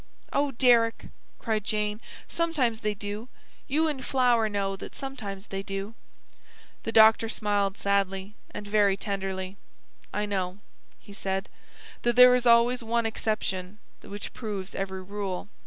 "Oh, Deryck," cried Jane, "sometimes they do. You and Flower know that sometimes they do." The doctor smiled sadly and very tenderly. "I know," he said, "that there is always one exception which proves every rule."